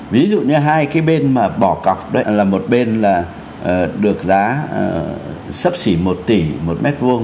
ví dụ như hai cái bên mà bỏ cọc đó là một bên là được giá sấp xỉ một tỷ một mét vuông